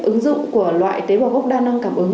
ứng dụng của loại tế bào gốc đa năng cảm ứng